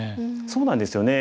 そうなんですよね。